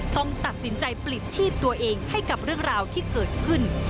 ต้องตัดสินใจปลิดชีพตัวเองให้กับเรื่องราวที่เกิดขึ้น